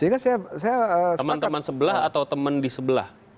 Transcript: sehingga teman teman sebelah atau teman di sebelah